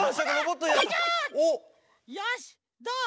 よしどう？